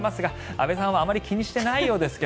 安部さんはあまり気にしてないようですが。